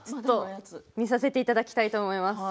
見させていただきたいと思います。